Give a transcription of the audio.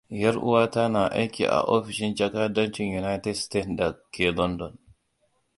Ƴar uwata na aiki a ofishin jakadancin United Stated da ke London.